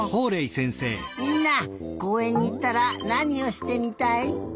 みんなこうえんにいったらなにをしてみたい？